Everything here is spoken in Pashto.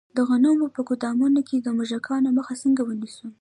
د غنمو په ګدام کې د موږکانو مخه څنګه ونیسم؟